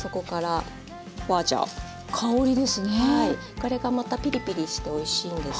これがまたピリピリしておいしいんです。